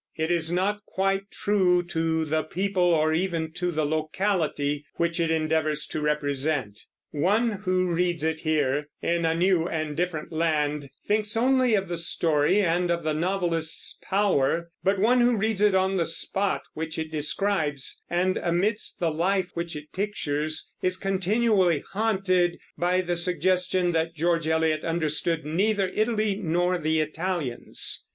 It is not quite true to the people or even to the locality which it endeavors to represent. One who reads it here, in a new and different land, thinks only of the story and of the novelist's power; but one who reads it on the spot which it describes, and amidst the life which it pictures, is continually haunted by the suggestion that George Eliot understood neither Italy nor the Italians.